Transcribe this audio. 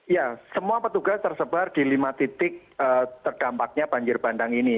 ya semua petugas tersebar di lima titik terdampaknya banjir bandang ini